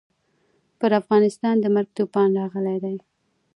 پر افغانستان د مرګ توپان راغلی دی.